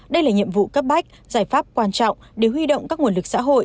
đây là nhiệm vụ cấp bách giải pháp quan trọng để huy động các nguồn lực xã hội